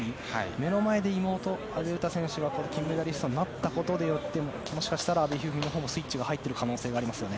目の前で妹・阿部詩選手が金メダリストになったことでもしかしたら阿部一二三のほうもスイッチが入っている可能性がありますよね。